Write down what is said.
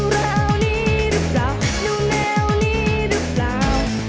ราวนี้รึเปล่าดูแนวนี้รึเปล่า